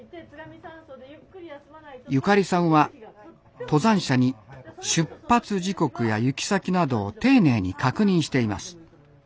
ゆかりさんは登山者に出発時刻や行き先などを丁寧に確認しています。